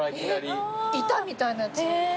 板みたいなやつ。